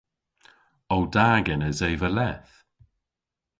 O da genes eva leth?